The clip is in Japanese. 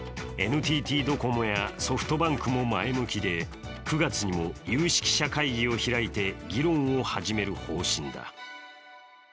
ＮＴＴドコモやソフトバンクも前向きで、９月にも有識者会議を開いて議論を始める方針だ。